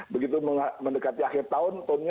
begitu mendekati akhir tahun tonnya